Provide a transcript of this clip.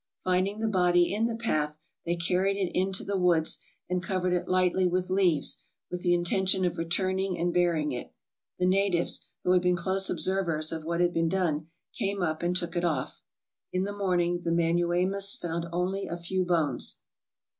Finding the body in the path, they carried it into the woods, and covered it lightly with leaves, with the intention of returning and burying it. The natives, who had been close observers of what had been done, came up and took it off. In the morning the Manuemas found only a few bones.